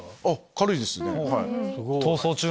軽いですね。